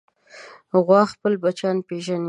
غوا خپل بچیان پېژني.